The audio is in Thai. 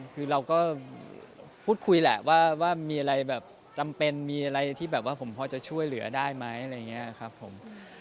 คือเราก็พูดคุยแหละว่ามีอะไรจำเป็นมีอะไรที่พ่อจะช่วยเหลือได้ไหม